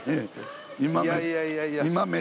いやいやいやいや。